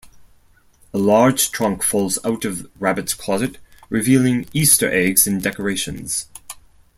A large trunk falls out of Rabbit's closet, revealing Easter eggs and decorations.